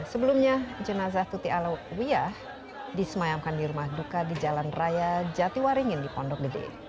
sebelumnya jenazah tuti ala wiyah disemayamkan di rumah duka di jalan raya jatiwaringin di pondok gede